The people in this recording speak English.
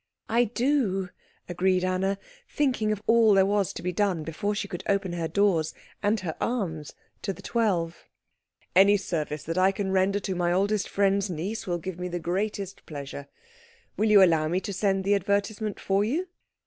"I do," agreed Anna, thinking of all there was to be done before she could open her doors and her arms to the twelve. "Any service that I can render to my oldest friend's niece will give me the greatest pleasure. Will you allow me to send the advertisement for you?